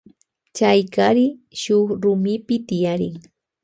Chay kari shuk rumipi tiyarin.